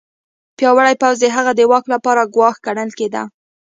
پیاوړی پوځ د هغه د واک لپاره ګواښ ګڼل کېده.